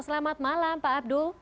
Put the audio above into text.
selamat malam pak abdul